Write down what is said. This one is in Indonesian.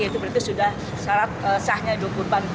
itu berarti sudah syarat sahnya dua kurban